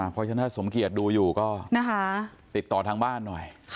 เพราะฉะนั้นถ้าสมเกียจดูอยู่ก็ติดต่อทางบ้านหน่อย